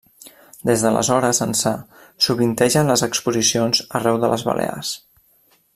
D’aleshores ençà sovintegen les exposicions arreu de les Balears.